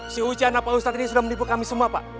si ujana pak ustadz ini sudah menipu kami semua pak